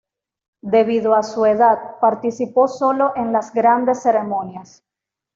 Debido a su edad participó solo en las grandes ceremonias.